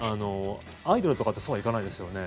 アイドルとかってそうはいかないですよね。